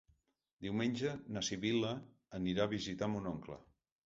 Diumenge na Sibil·la anirà a visitar mon oncle.